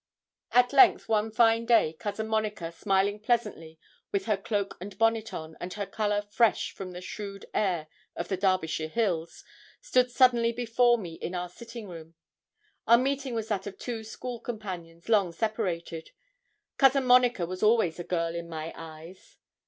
At length, one fine day, Cousin Monica, smiling pleasantly, with her cloak and bonnet on, and her colour fresh from the shrewd air of the Derbyshire hills, stood suddenly before me in our sitting room. Our meeting was that of two school companions long separated. Cousin Monica was always a girl in my eyes.